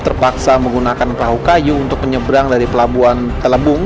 terpaksa menggunakan perahu kayu untuk menyeberang dari pelabuhan telebung